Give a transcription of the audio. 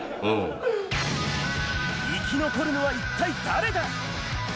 生き残るのは一体誰だ？